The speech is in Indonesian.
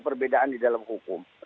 perbedaan di dalam hukum